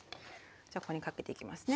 じゃあここにかけていきますね。